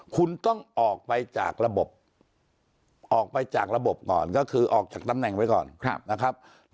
คุณต้องออกไปจากระบบออกไปจากระบบก่อนก็คือออกจากตำแหน่งไว้ก่อนนะครับ